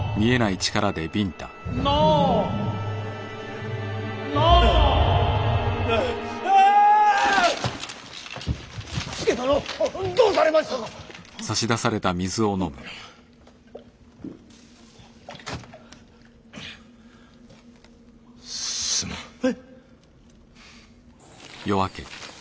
えっ。